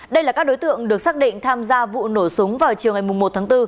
đây là các đối tượng được xác định tham gia vụ nổ súng vào chiều ngày một tháng bốn